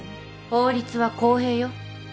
法律は公平よ。